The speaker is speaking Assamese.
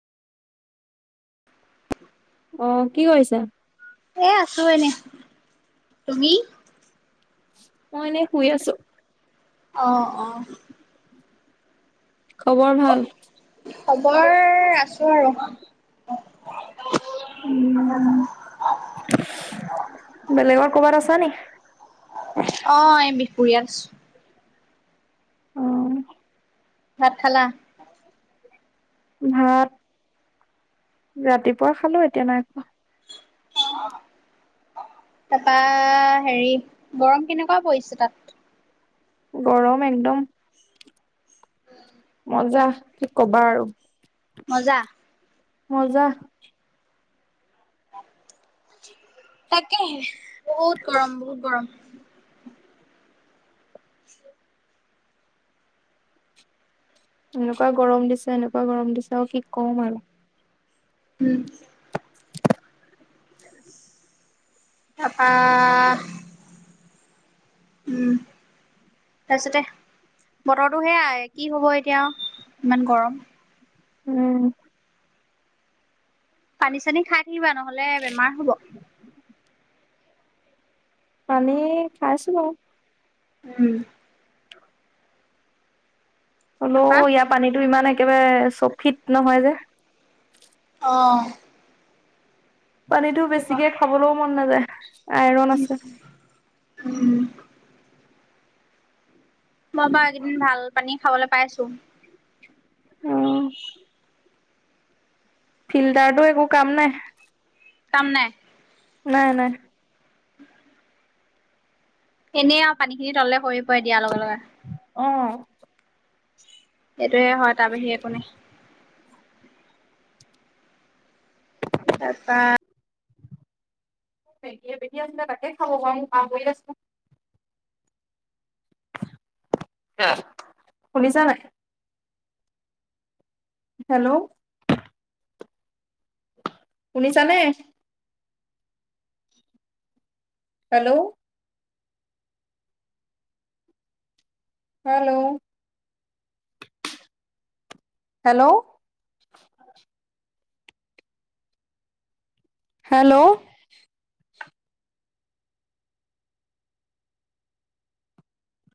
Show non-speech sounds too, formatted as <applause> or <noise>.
<inaudible> অ', কি কৰিছে? এ আছো এনে তুমি? মই এনেই শুই আছো। অ', অ'। খবৰ ভাল? খবৰ আছো আৰু উম, উম। বেলেগৰ ক'বাত আছা নেকি? অ', এ বিহপুৰীয়াত আছো। উম। ভাত খালা? ভাত ৰাতিপুৱা খালো এতিয়া নাই খোৱা। তাৰপা হেৰি গৰম কেনেকুৱা পৰিছে তাত? গৰম একদম মজা কি কবা আৰু। মজা! মজা! তাকেহে বহুত গৰম বহুত গৰম। <inaudible> এনেকুৱা গৰম দিছে এনেকুৱা গৰম দিছে আৰু সি কম আৰু। উম। <inaudible> তাৰপা উম। তাৰপিছতে বতৰটো সেয়াই কি হ'ব এতিয়া ইমান গৰম। উম। পানী চানী খাই থাকিবা নহলে বেমাৰ হ'ব। পানী খাইছো বাৰু। উম। <inaudible> হলেও তাৰপা ইয়াৰ পানীতটো ইমান একেবাৰে চফিত নহয় যে অ'। পানীতো সেইটো হয়। বেছিকে খাবলৈও মন নাযায় আইৰন আছে। উম। মই বাৰু এইকেইদিন ভাল পানী খাবলৈ পাইছো। উম। ফিল্টাৰটো‌ একে কাম নাই। কাম নাই। নাই, নাই। এনেই আৰু পানী খিনি তলে সৰি পৰে দিয়াৰ‌ লগে লগে। অ'। এটোৱে হয় তাৰ বাহিৰে একো নাই। তাৰপা বেগী <unintelligible> অ', শুনিছানে নাই? হেল্ল'। শুনিছানে? হেল্ল'। Hello hello. হেল্ল'।